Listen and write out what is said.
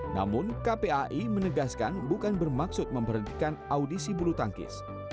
namun kpai menegaskan bukan bermaksud memberhentikan audisi bulu tangkis